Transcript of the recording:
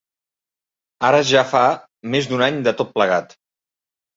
Ara ja fa més d’un any de tot plegat.